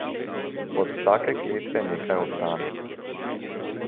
Od vsake klevete nekaj ostane.